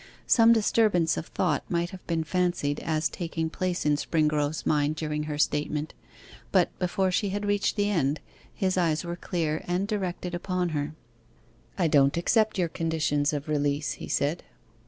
Some disturbance of thought might have been fancied as taking place in Springrove's mind during her statement, but before she had reached the end, his eyes were clear, and directed upon her. 'I don't accept your conditions of release,' he said.